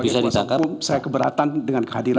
saya keberatan dengan kehadiran